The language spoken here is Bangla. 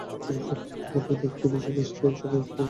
ঘটনাটি খতিয়ে দেখতে তিন সদস্যের একটি তদন্ত কমিটিও গঠন করা হয়েছে।